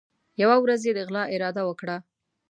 یوه ورځ یې د غلا اراده وکړه.